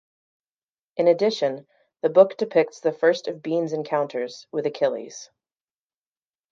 In addition, the book depicts the first of Bean's encounters with Achilles.